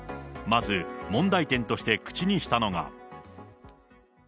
まず問題点として口にしたのが。